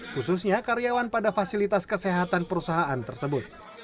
khususnya karyawan pada fasilitas kesehatan perusahaan tersebut